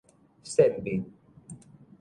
搧面